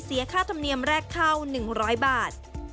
ค่าธรรมเนียมแรกเข้า๑๐๐บาท